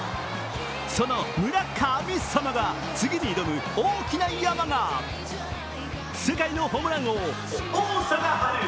その村神様が次に挑む大きな山が世界のホームラン王・王貞治。